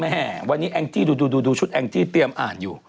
แห่วันนี้แองจี้ดูชุดแองจี้เตรียมอ่านอยู่